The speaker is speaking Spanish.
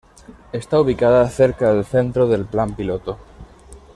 Está ubicada cerca del centro del Plan Piloto.